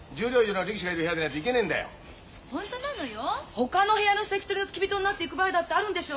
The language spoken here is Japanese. ほかの部屋の関取の付き人になって行く場合だってあるんでしょ？